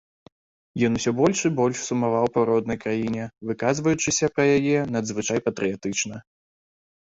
Ён усё больш і больш сумаваў па роднай краіне, выказваючыся пра яе надзвычай патрыятычна.